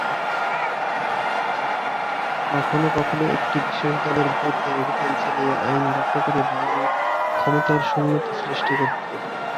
কখনও কখনও একটি বিশেষ দলের বিরুদ্ধে অভিযান চালিয়ে আইন রক্ষাকারী বাহিনী ক্ষমতার শূন্যতা সৃষ্টি করত।